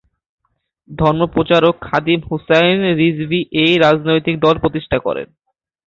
ধর্মপ্রচারক খাদিম হুসাইন রিজভী এই রাজনৈতিক দল প্রতিষ্ঠা করেন।